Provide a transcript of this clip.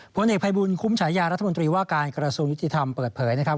ผลเอกภัยบุญคุ้มฉายารัฐมนตรีว่าการกระทรวงยุติธรรมเปิดเผยนะครับ